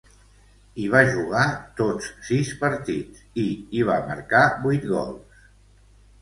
Hi va jugar tots sis partits, i hi va marcar vuit gols.